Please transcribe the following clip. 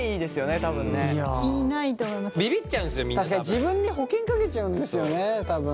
自分に保険かけちゃうんですよね多分。